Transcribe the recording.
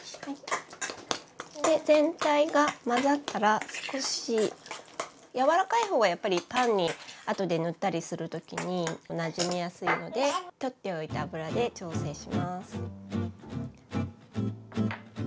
全体が混ざったら少しやわらかい方がやっぱりパンにあとで塗ったりする時になじみやすいのでとっておいた油で調整します。